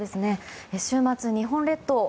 週末、日本列島